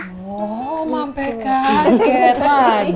oh mampai kaget lagi